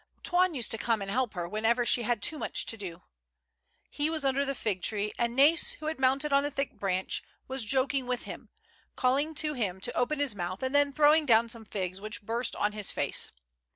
Toine used to come and help her whenever she had too much to do. lie was under the fig tree, and Nais, who had mounted on a thick branch, was joking with him, calling to him to open his mouth, and then throwing down some figs which burst on his face.